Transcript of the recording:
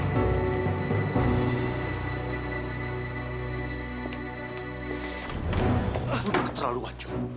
lu keterlaluan joe